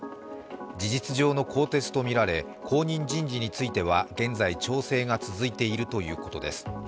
事実上の更迭とみられ、後任人事については現在調整が続いているということです。